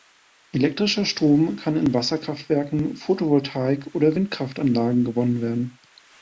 Elektrischer Strom kann in Wasserkraftwerken, Photovoltaik- oder Windkraftanlagen gewonnen werden.